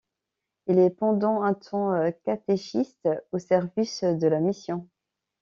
Il est pendant un temps catéchiste au service de la mission.